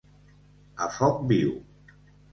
A foc viu.